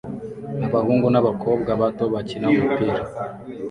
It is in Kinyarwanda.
Abahungu n'abakobwa bato bakina umupira